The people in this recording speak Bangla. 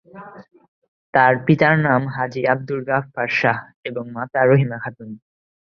তার পিতার নাম হাজী আব্দুল গাফফার শাহ এবং মাতা রহিমা খাতুন।